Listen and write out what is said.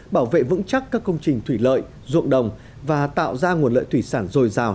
bảo vệ vững chắc các công trình thủy lợi ruộng đồng và tạo ra nguồn lợi thủy sản dồi dào